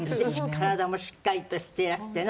「体もしっかりとしていらしてねお背中も」